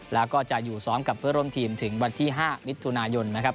แล้วก็จะอยู่ซ้อมกับเพื่อร่วมทีมถึงวันที่๕มิถุนายนนะครับ